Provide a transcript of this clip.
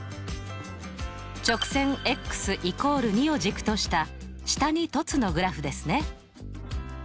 直線＝２を軸とした下に凸のグラフですね。